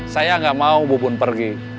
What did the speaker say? saya gak mau bubun pergi